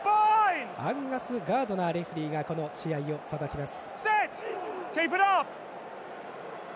アンガス・ガードナーレフリーがこの試合をさばきます。